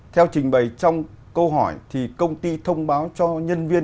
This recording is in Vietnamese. theo trình bày trong câu hỏi thì công ty thông báo cho nhân viên